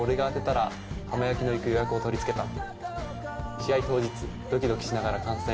「試合当日ドキドキしながら観戦」。